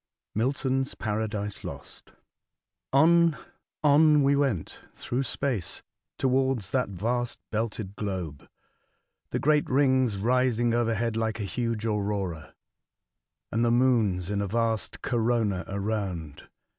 Milton's Paradise Lost. ON, on we went through space towards that vast belted globe, the great rings rising overhead like a huge aurora, and the moons in a vast corona around.